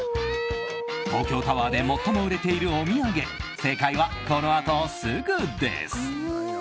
東京タワーで最も売れているお土産正解は、このあとすぐです！